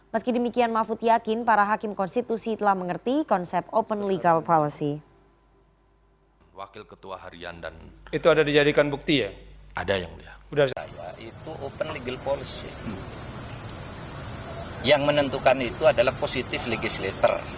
meski demikian mahfud yakin para hakim konstitusi telah mengerti konsep open legal policy